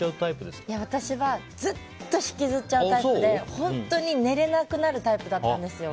私はずっと引きずっちゃうタイプで寝れなくなるタイプだったんですよ。